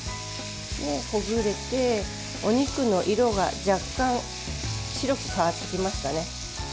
ほぐれてお肉の色が若干、白く変わってきましたね。